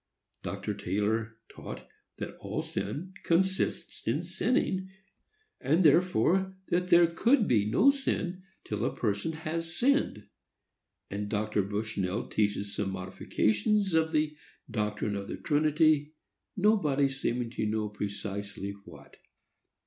Dr. Taylor taught that all sin consists in sinning, and therefore that there could be no sin till a person had sinned; and Dr. Bushnell teaches some modifications of the doctrine of the Trinity, nobody seeming to know precisely what.